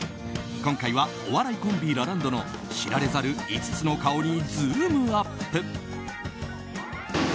今回はお笑いコンビ、ラランドの知られざる５つの顔にズームＵＰ！